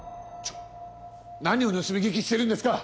ちょっ何を盗み聞きしてるんですか！